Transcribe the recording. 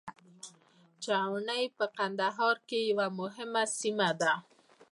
چوڼۍ په کندهار کي یوه مهمه سیمه ده.